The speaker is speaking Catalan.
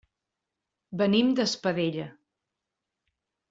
Venim d'Espadella.